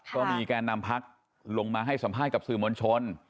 แกนนำพักลงมาให้สัมภาษณ์กับสื่อมวลชน